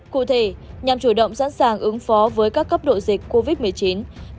cụ thể nhằm chủ động sẵn sàng ứng phó với các cấp độ dịch covid một mươi chín